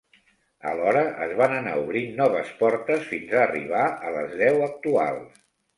Alhora es van anar obrint noves portes fins a arribar a les deu actuals.